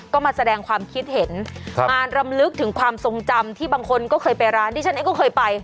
ก็มาแสดงความคิดเห็นมารำลึกถึงความทรงจำที่บางคนก็เคยไปร้านดิฉันเองก็เคยไป